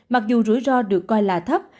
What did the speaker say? mặc dù rủi ro được coi là thấp